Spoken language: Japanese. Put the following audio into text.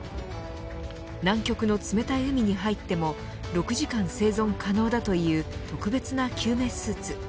南極の冷たい海に入っても６時間生存可能だという特別な救命スーツ。